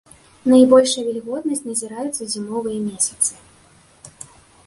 Найбольшая вільготнасць назіраецца ў зімовыя месяцы.